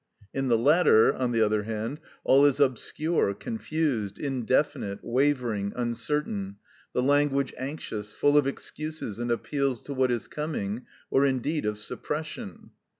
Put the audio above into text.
In the latter, on the other hand, all is obscure, confused, indefinite, wavering, uncertain, the language anxious, full of excuses and appeals to what is coming, or indeed of suppression.